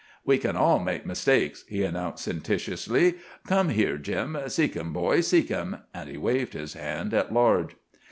"We kin all make mistakes," he announced sententiously. "Come here, Jim. Seek 'im, boy, seek 'im." And he waved his hand at large.